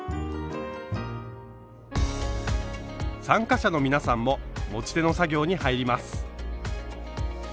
参加者の皆さんも持ち手の作業に入ります。